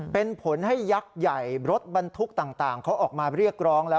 เป็นผลให้ยักษ์ใหญ่รถบรรทุกต่างเขาออกมาเรียกร้องแล้ว